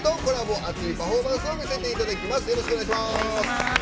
熱いパフォーマンスを見せていただきます。